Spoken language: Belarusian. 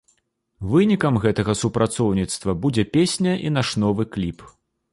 Вынікам гэтага супрацоўніцтва будзе песня і наш новы кліп.